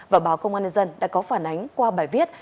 và báo công an nhân dân đã có phản ánh qua bài viết